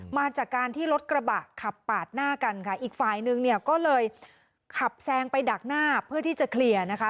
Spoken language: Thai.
มาจากการที่รถกระบะขับปาดหน้ากันค่ะอีกฝ่ายนึงเนี่ยก็เลยขับแซงไปดักหน้าเพื่อที่จะเคลียร์นะคะ